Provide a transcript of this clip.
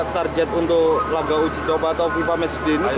target untuk laga uji coba atau fifa match day ini